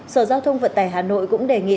sở giao thông vận tải hà nội cũng đề nghị